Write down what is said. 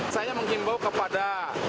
saya menghimbau kepada